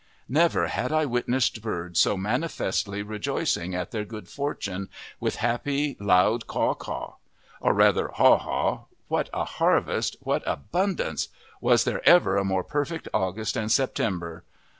Never had I witnessed birds so manifestly rejoicing at their good fortune, with happy, loud caw caw. Or rather haw haw! what a harvest, what abundance! was there ever a more perfect August and September!